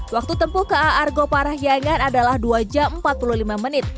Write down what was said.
waktu tempuh ka argo parahyangan adalah dua jam empat puluh lima menit